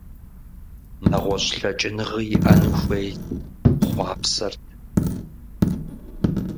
Нэгъуэщӏ лъэкӏыныгъи иӏэну хуейт, хъуапсэрт.